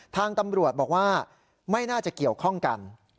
ทางตำรวจบอกว่าไม่น่าจะเกี่ยวข้องกัน